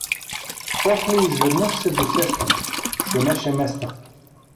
После изведнъж се досещам — шумеше Места!